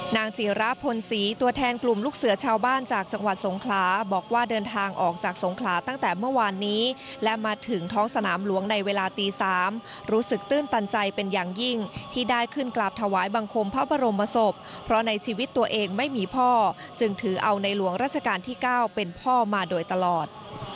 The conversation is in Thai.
จีระพลศรีตัวแทนกลุ่มลูกเสือชาวบ้านจากจังหวัดสงขลาบอกว่าเดินทางออกจากสงขลาตั้งแต่เมื่อวานนี้และมาถึงท้องสนามหลวงในเวลาตี๓รู้สึกตื้นตันใจเป็นอย่างยิ่งที่ได้ขึ้นกราบถวายบังคมพระบรมศพเพราะในชีวิตตัวเองไม่มีพ่อจึงถือเอาในหลวงราชการที่๙เป็นพ่อมาโดยตลอด